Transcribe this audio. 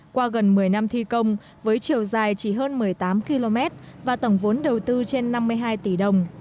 qua gần một mươi năm thi công với chiều dài chỉ hơn một mươi tám km và tổng vốn đầu tư trên năm mươi hai tỷ đồng